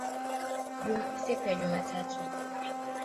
siku ya Jumatano